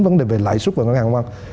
vấn đề về lãi suất và các ngàn văn